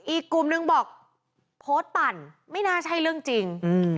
อีกกลุ่มนึงบอกโพสต์ปั่นไม่น่าใช่เรื่องจริง